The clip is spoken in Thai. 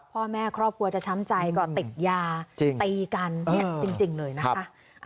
พ่อแม่ครอบครัวจะช้ำใจก็ติดยาตีกันจริงเลยนะคะ